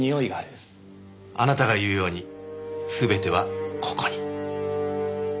あなたが言うように全てはここに。